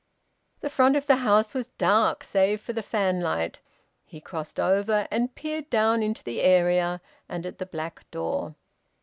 The front of the house was dark save for the fanlight. He crossed over and peered down into the area and at the black door.